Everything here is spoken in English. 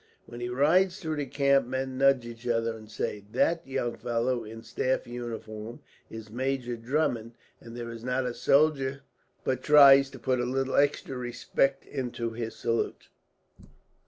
"When he rides through the camp men nudge each other and say, 'That young fellow in staff uniform is Major Drummond;' and there is not a soldier but tries to put a little extra respect into his salute."